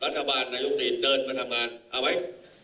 รัฐบาลนายกตรีย์เดินมาทำงานเอาไว้